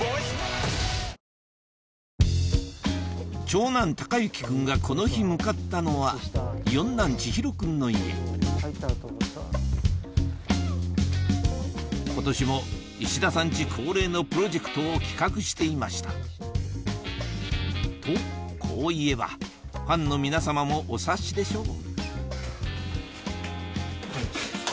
長男孝之君がこの日向かったのは四男智広君の家今年も石田さんチ恒例のプロジェクトを企画していましたとこう言えばファンの皆様もお察しでしょう？